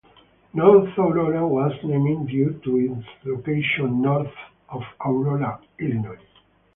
North Aurora was named due to its location north of Aurora, Illinois.